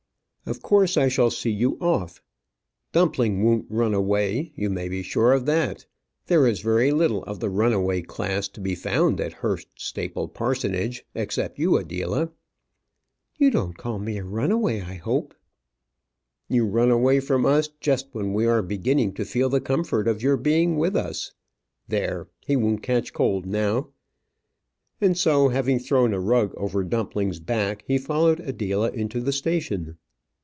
"Of course, I shall see you off. Dumpling won't run away; you may be sure of that. There is very little of the runaway class to be found at Hurst Staple Parsonage; except you, Adela." "You don't call me a runaway, I hope?" "You run away from us just when we are beginning to feel the comfort of your being with us. There, he won't catch cold now;" and so having thrown a rug over Dumpling's back, he followed Adela into the station.